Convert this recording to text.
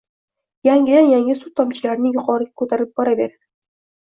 Yangidan-yangi suv tomchilarini yuqoriga ko’tarib beraveradi…